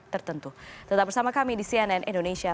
tertentu tetap bersama kami di cnn indonesia